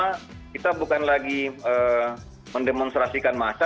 karena kita bukan lagi mendemonstrasikan massa